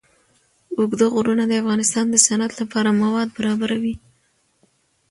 اوږده غرونه د افغانستان د صنعت لپاره مواد برابروي.